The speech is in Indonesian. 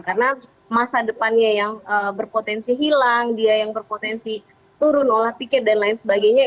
karena masa depannya yang berpotensi hilang dia yang berpotensi turun olah pikir dan lain sebagainya